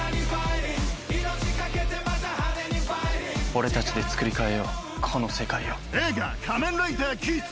俺たちでつくり変えようこの世界を。